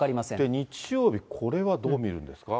日曜日、これはどう見るんですか？